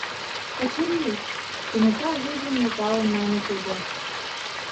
— Качырий, — кенета вуйжым нӧлталын мане тудо.